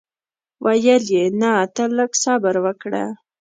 ویل یې نه ته لږ صبر وکړه.